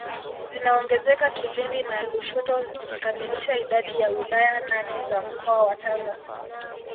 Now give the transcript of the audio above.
zinaongezeka Kilindi na Lushoto zikikamilisha idadi ya wilaya nane za mkoa wa Tanga